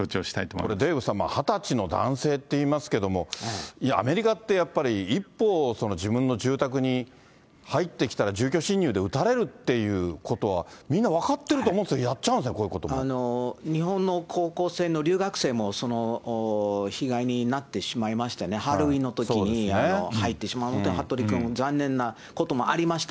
これ、デーブさん、２０歳の男性っていいますけども、アメリカってやっぱり、一歩、自分の住宅に入ってきたら住居侵入で撃たれるっていうことは、みんな、分かってると思うんですけど、やっちゃうんですね、こうい日本の高校生の留学生も、その被害になってしまいましたね、ハロウィーンのときに、入ってしまうというはっとり君、残念なこともありました。